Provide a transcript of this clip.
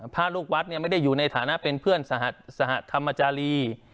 พระลูกวัดไม่ได้อยู่ในฐานะเป็นเพื่อนสหธรรมจารี